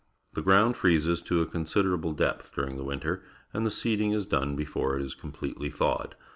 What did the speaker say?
The ground freezes to a considerable depth during the winter, and the seeding is done before it is completely thawed.